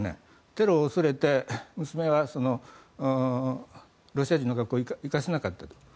テロを恐れて娘はロシア人の学校に行かせなかったと。